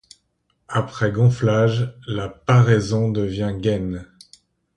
Après gonflage, la paraison devient gaine.